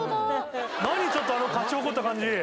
何ちょっとあの勝ち誇った感じ。